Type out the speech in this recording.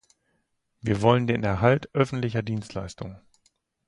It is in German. Wir wollen den Erhalt öffentlicher Dienstleistungen.